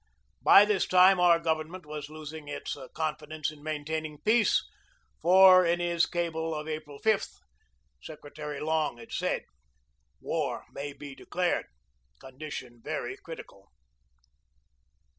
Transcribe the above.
By this time our government was losing its confidence in maintaining peace, for in his cable of April 5 Secretary Long had said: "War may be declared. Condition very crit ical."